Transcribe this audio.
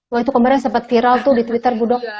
wah itu kemarin sempat viral tuh di twitter bu dok